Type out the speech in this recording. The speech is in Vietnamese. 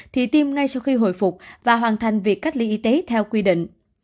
thì tiêm ngay sau khi hồi phục và hoàn thành việc cách ly y tế theo quy định